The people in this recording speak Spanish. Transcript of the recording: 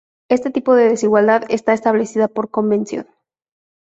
Este tipo de desigualdad está establecida por convención.